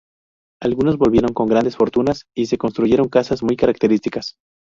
Algunos volvieron con grandes fortunas y se construyeron casas muy características.